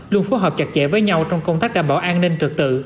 luôn phối hợp chặt chẽ với nhau trong công tác đảm bảo an ninh trực tự